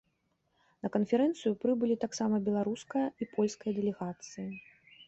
На канферэнцыю прыбылі таксама беларуская і польская дэлегацыі.